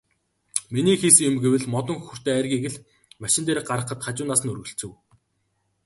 Миний хийсэн юм гэвэл модон хөхүүртэй айргийг л машин дээр гаргахад хажуугаас нь өргөлцөв.